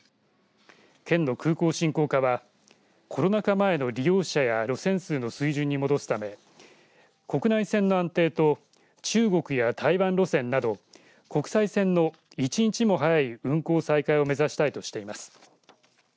県の空港振興課はコロナ禍前の利用者や路線数の水準に戻すため国内線の安定と中国や台湾路線など国際線の一日も早い運航再開を目指したいとしています。